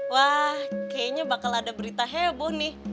wah kayaknya bakal ada berita heboh nih